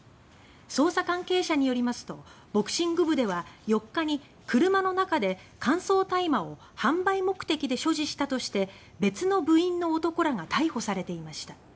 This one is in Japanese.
捜査関係者によりますとボクシング部では４日に車の中で乾燥大麻を販売目的で所持したとして別の部員の男らが逮捕されていました。